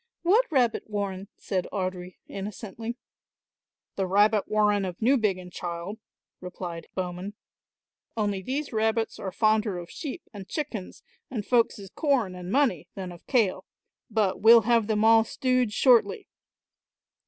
"What rabbit warren?" said Audry innocently. "The rabbit warren of Newbiggin, child," replied Bowman; "only these rabbits are fonder of sheep and chickens and folks' corn and money than of kail, but we'll have them all stewed shortly."